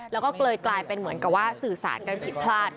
แล้วก็เลยกลายเป็นเหมือนกับว่าสื่อสารกันผิดพลาด